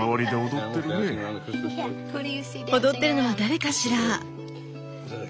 踊ってるのは誰かしら？